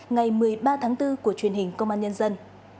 ngày một mươi ba tháng bốn của truyền hình công an nhân dân